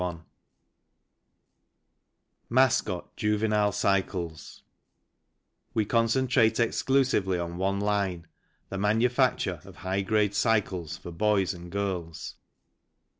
I MA JUVENILE CYCLES concentrate ex clusively on one line the manufacture of high grade Cycles for boys and girls.